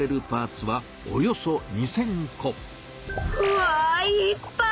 わいっぱい！